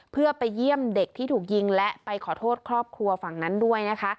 เพื่อไปเยี่ยมเด็กที่ถูกยิงและไปขอโทษครอบครัวฝั่งนั้นด้วยนะคะ